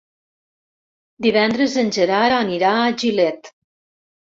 Divendres en Gerard anirà a Gilet.